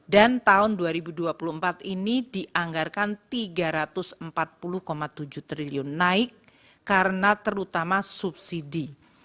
dan tahun dua ribu dua puluh empat ini dianggarkan rp tiga ratus empat puluh tujuh triliun naik karena terutama subsidi